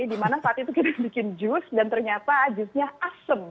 dimana saat itu kita bikin jus dan ternyata jusnya asem